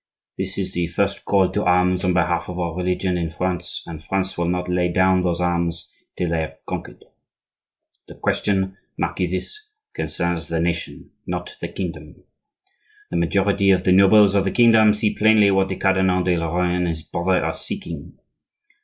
This is the first call to arms on behalf of our religion in France, and France will not lay down those arms till they have conquered. The question, mark you this, concerns the nation, not the kingdom. The majority of the nobles of the kingdom see plainly what the Cardinal de Lorraine and his brother are seeking.